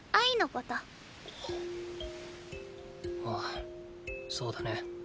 ああそうだね。